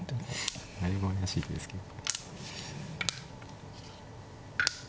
だいぶ怪しいですけど。